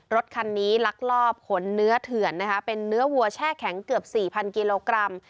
รถคันนี้ลักลอบขนเนื้อเถื่อนนะคะเป็นเนื้อวัวแช่แข็งเกือบ๔๐๐กิโลกรัม